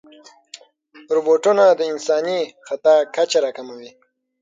روبوټونه د انساني خطا کچه راکموي.